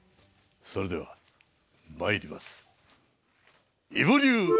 それではまいります。